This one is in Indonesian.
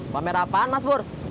pamer apaan mas pur